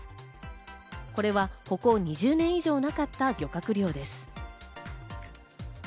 これはここ２０年以上なかった漁獲量です。